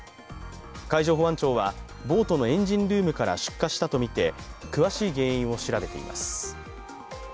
海上保安庁はボートのエンジンルームから出火したとみて、詳しい原因を調べています。